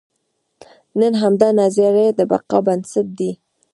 نن همدا نظریه د بقا بنسټ دی.